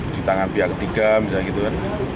di tangan pihak ketiga misalnya gitu kan